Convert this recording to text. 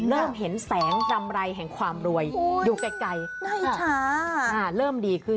เริ่มเห็นแสงรำไรแห่งความรวยอยู่ไกลเริ่มดีขึ้น